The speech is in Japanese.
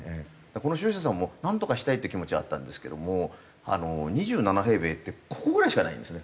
この所有者さんもなんとかしたいっていう気持ちはあったんですけども２７平米ってここぐらいしかないんですね。